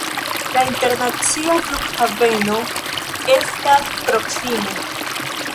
La internacia flughaveno estas proksime.